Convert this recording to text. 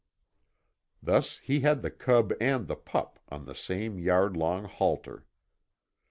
Thus he had the cub and the pup on the same yard long halter.